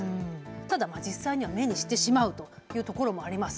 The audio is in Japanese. ただ、実際には目にしてしまうということもあります。